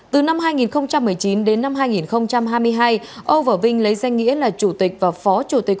từ năm hai nghìn một mươi chín đến năm hai nghìn hai mươi hai âu và vinh lấy danh nghĩa là chủ tịch và phó chủ tịch